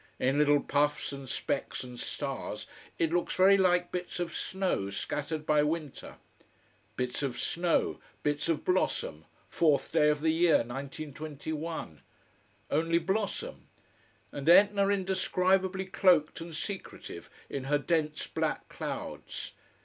In little puffs and specks and stars, it looks very like bits of snow scattered by winter. Bits of snow, bits of blossom, fourth day of the year 1921. Only blossom. And Etna indescribably cloaked and secretive in her dense black clouds.